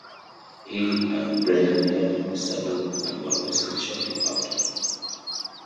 He and Brennan left the saloon and were arrested shortly after.